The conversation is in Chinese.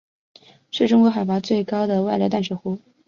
是中国海拔最高的外流淡水湖。